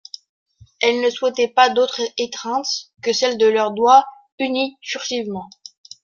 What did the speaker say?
Elle ne souhaitait pas d'autre étreinte que celle de leurs doigts unis furtivement.